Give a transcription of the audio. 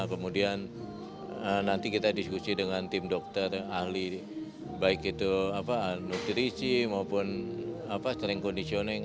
kemudian nanti kita diskusi dengan tim dokter ahli baik itu nutrisi maupun strengt conditioning